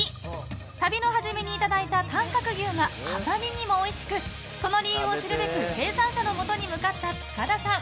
旅の初めにいただいた短角牛があまりにもおいしくその理由を知るべく生産者のもとへ向かった塚田さん。